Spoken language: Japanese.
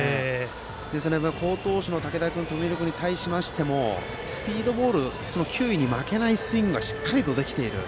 ですので好投手の竹田君と友廣君に対してもスピードボールの球威に負けないスイングがしっかりとできている。